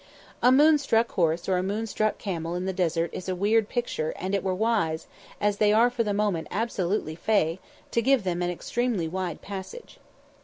A moon struck horse or a moon struck camel in the desert is a weird picture and it were wise, as they are for the moment absolutely fey, to give them an extremely wide passage.